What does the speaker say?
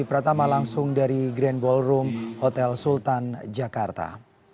pertama langsung dari grand ballroom hotel sultan jakarta